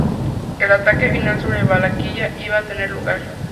El ataque final sobre Valaquia iba a tener lugar.